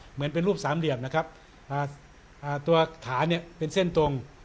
เหมือนเป็นรูปสามเหลี่ยมนะครับตัวขาเนี่ยเป็นเส้นตรง